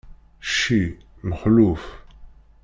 Cci, mexluf.